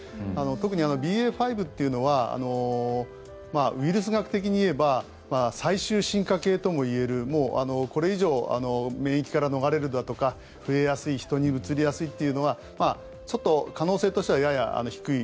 特にＢＡ．５というのはウイルス学的にいえば最終進化形ともいえるこれ以上、免疫から逃れるだとか増えやすい人にうつりやすいというのはちょっと可能性としてはやや低い。